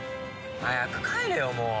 早く帰れよもう。